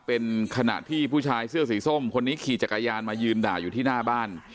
เป็นขณะที่ผู้ชายเสื้อสีส้มคนนี้ขี่จักรยานมายืนด่าอยู่ที่หน้าบ้าน